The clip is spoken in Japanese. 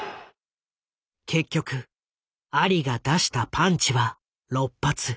結局アリが出したパンチは６発。